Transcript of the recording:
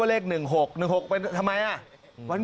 ปลูกมะพร้าน้ำหอมไว้๑๐ต้น